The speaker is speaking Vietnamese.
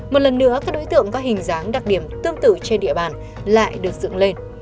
một lần nữa các đối tượng có hình dáng đặc điểm tương tự trên địa bàn lại được dựng lên